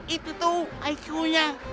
itu tuh iq nya